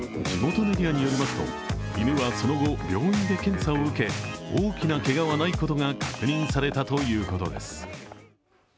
地元メディアによりますと犬はその後病院で検査を受け大きなけがはないことが確認されたということです。